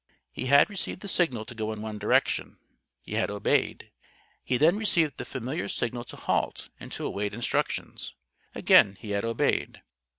He had received the signal to go in one direction. He had obeyed. He had then received the familiar signal to halt and to await instructions. Again he had obeyed.